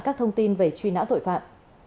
các thông tin về truy nã tội phạm